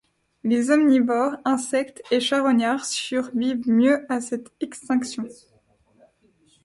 Les omnivores, insectes et charognards survivent mieux à cette extinction.